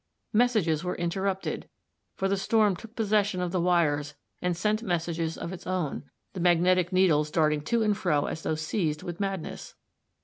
Messages were interrupted, for the storm took possession of the wires and sent messages of its own, the magnetic needles darting to and fro as though seized with madness.